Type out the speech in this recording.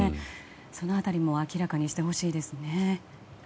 その辺りも明らかにしてほしいですね。